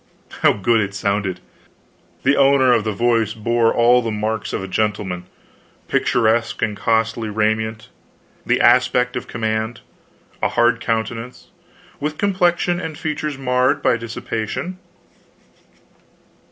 How good it sounded! The owner of the voice bore all the marks of a gentleman: picturesque and costly raiment, the aspect of command, a hard countenance, with complexion and features marred by dissipation.